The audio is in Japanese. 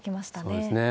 そうですね。